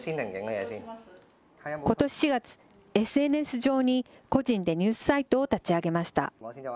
ことし４月、ＳＮＳ上に個人でニュースサイトを立ち上げました。